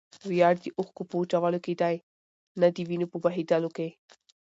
ویاړ د اوښکو په وچولو کښي دئ؛ نه دوینو په بهېودلو کښي.